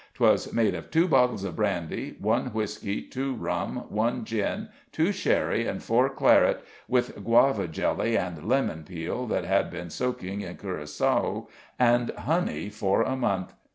'Twas made of two bottles of brandy, one whisky, two rum, one gin, two sherry, and four claret, with guava jelly, and lemon peel that had been soaking in curacoa and honey for a month.